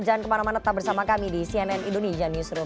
jangan kemana mana tetap bersama kami di cnn indonesia newsroom